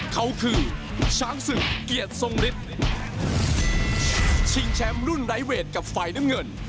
เขาคือช้างศึกเกียรติทรงฤทธิ์ชิงแชมป์รุ่นไร้เวทกับฝ่ายน้ำเงิน